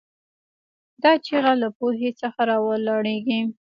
دا چیغه له پوهې څخه راولاړېږي.